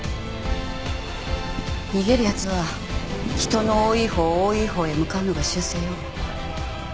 逃げる奴は人の多いほう多いほうへ向かうのが習性よ。